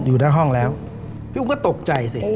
อยู่หน้าห้องแล้วพี่อุ้มก็ตกใจสิ